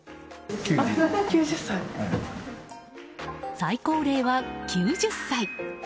最高齢は９０歳！